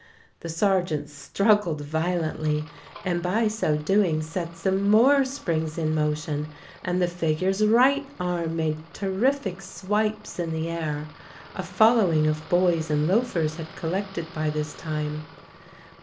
The sergeant struggled violently, and by so doing set some more springs in motion, and the figure's right arm made terrific swipes in the air. A following of boys and loafers had collected by this time.